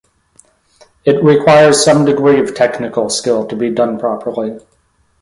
It requires some degree of technical skill to be done properly.